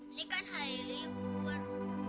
ini kan hari libur